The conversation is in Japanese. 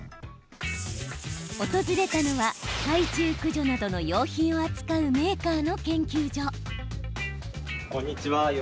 訪れたのは、害虫駆除などの用品を扱うメーカーの研究所。